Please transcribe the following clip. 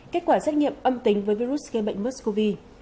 kết quả xét nghiệm âm tính với virus gây bệnh muscov